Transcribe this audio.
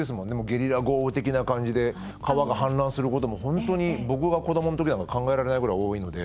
ゲリラ豪雨的な感じで川が氾濫することも本当に僕が子どものときなんか考えられないぐらい多いので。